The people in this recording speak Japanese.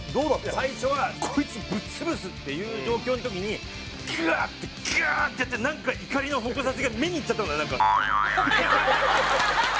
最初はこいつぶっ潰すっていう状況の時にグワーってギューってやってなんか怒りの矛先が目にいっちゃったんだよなんか。